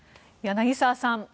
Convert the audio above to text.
柳澤さん